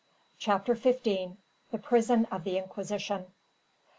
Chapter 15: The Prison of the Inquisition.